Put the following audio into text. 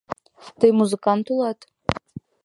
— Тый музыкант улат?